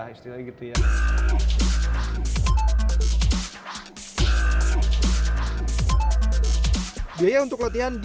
istilahnya gitu ya